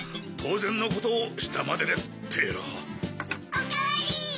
おかわり！